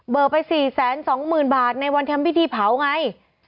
ไป๔๒๐๐๐บาทในวันทำพิธีเผาไง